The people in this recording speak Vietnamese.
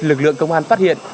lực lượng công an phát hiện